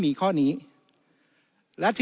วุฒิสภาจะเขียนไว้ในข้อที่๓๐